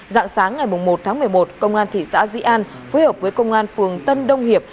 dạng sáng ngày một tháng một mươi một công an thị xã di an phối hợp với công an phường tân đông hiệp